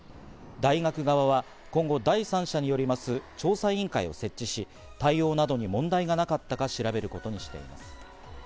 大学側は今後、第三者によります調査委員会を設置し、対応などに問題がなかったか調べることにしています。